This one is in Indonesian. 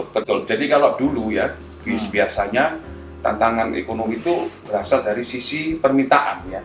betul jadi kalau dulu ya biasanya tantangan ekonomi itu berasal dari sisi permintaan